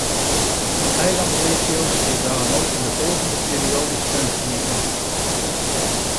De eilandregio's zullen daarom ook in de volgende periode steun genieten.